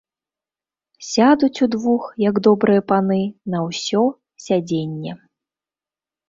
Сядуць удвух, як добрыя паны, на ўсё сядзенне.